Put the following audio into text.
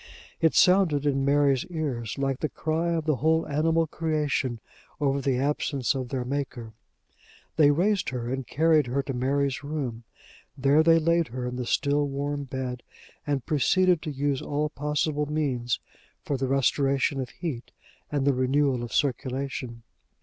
It sounded in Mary's ears like the cry of the whole animal creation over the absence of their Maker. They raised her and carried her to Mary's room. There they laid her in the still warm bed, and proceeded to use all possible means for the restoration of heat and the renewal of circulation.